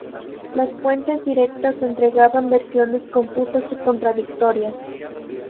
Las fuentes directas entregaban versiones confusas y contradictorias.